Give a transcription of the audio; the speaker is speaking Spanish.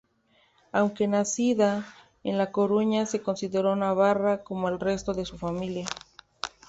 Aunque nacida en La Coruña, se consideró navarra como el resto de su familia.